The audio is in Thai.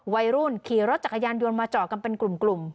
วัยรุ่นขี่รถจักรยานเดวนมาจอดกลม